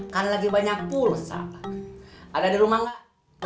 kan lagi banyak pulsa ada di rumah nggak